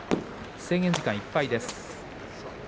制限時間いっぱいです。